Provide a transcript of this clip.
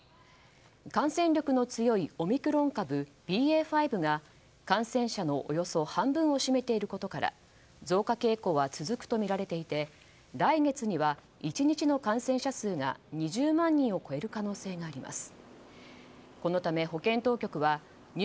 感染力の強いオミクロン株ＢＡ．５が感染者のおよそ半分を占めていることから増加傾向は続くとみられていて来月には１日の感染者数が２０万人を超える可能性があります。